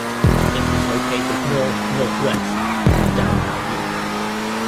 It was located north-northwest of downtown Newark.